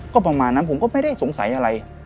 ก็ประมาณนั้นผมก็ไม่ได้สงสัยอะไร